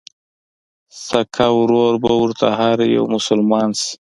سکه ورور به ورته هر يو مسلمان شي